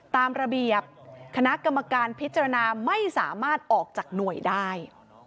ตามระเบียบคณะกรรมการพิจารณาไม่สามารถออกจากหน่วยได้